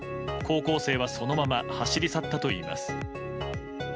高校生はそのまま走り去ったといいます。